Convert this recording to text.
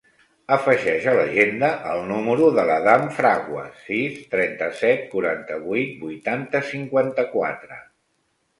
Afegeix a l'agenda el número de l'Adam Fraguas: sis, trenta-set, quaranta-vuit, vuitanta, cinquanta-quatre.